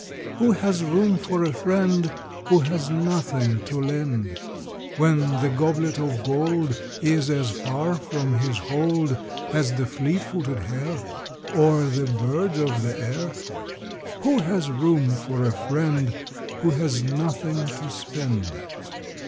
Who has room for a friend Who has nothing to lend, When the goblet of gold Is as far from his hold As the fleet footed hare, Or the birds of the air. Who has room for a friend Who has nothing to spend?